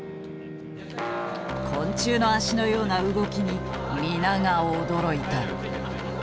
昆虫の脚のような動きに皆が驚いた。